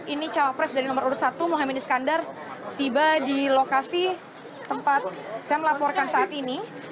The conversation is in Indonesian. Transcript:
ini cawapres dari nomor urut satu muhammad iskandar tiba di lokasi tempat saya melaporkan saat ini